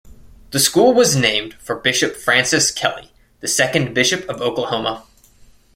The school was named for Bishop Francis Kelley, the second bishop of Oklahoma.